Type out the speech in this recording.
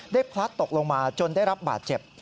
พลัดตกลงมาจนได้รับบาดเจ็บ